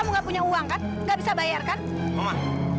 bu bu kalungnya jatuh